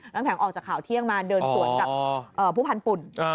ตั้งแต่ออกจากข่าวเที่ยงมาเดินสวนกับผู้พันธ์ปุ่น